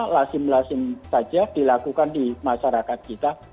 lazim lazim saja dilakukan di masyarakat kita